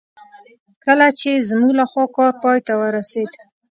کله چې زموږ لخوا کار پای ته ورسېد.